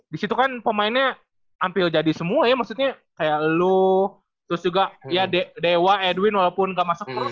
di situ kan pemainnya hampir jadi semua ya maksudnya kayak lu terus juga ya dewa edwin walaupun gak masuk terus